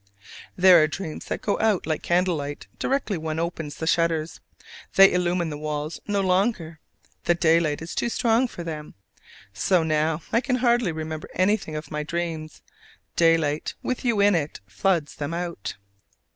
There are dreams that go out like candle light directly one opens the shutters: they illumine the walls no longer; the daylight is too strong for them. So, now, I can hardly remember anything of my dreams: daylight, with you in it, floods them out.